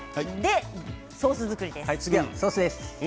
ソース作りです。